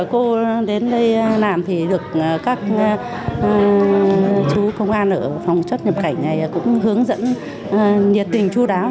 cô đến đây làm thì được các chú công an ở phòng xuất nhập cảnh này cũng hướng dẫn nhiệt tình chú đáo